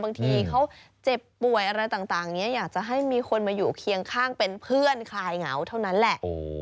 บางทีเขาเจ็บป่วยอะไรต่างนี้อยากจะให้มีคนมาอยู่เคียงข้างเป็นเพื่อนคลายเหงาเท่านั้นแหละ